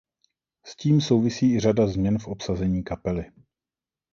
S tím souvisí i řada změn v obsazení kapely.